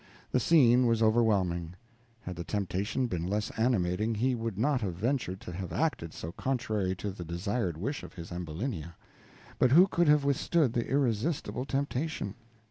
The scene was overwhelming; had the temptation been less animating, he would not have ventured to have acted so contrary to the desired wish of his Ambulinia; but who could have withstood the irrestistable temptation!